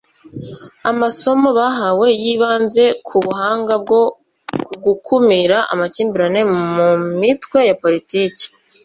Amasomo bahawe yibanze ku buhanga bwo gukumira amakimbirane mu mitwe ya politiki